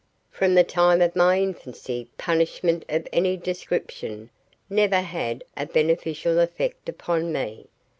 From the time of my infancy punishment of any description never had a beneficial effect upon me.